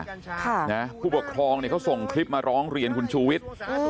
คุณผู้ปกครองเขาส่งคลิปมาร้องเรียนคุณชูวิทย์